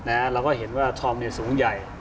และเราก็เห็นว่าทอมนี่สูงใหญ่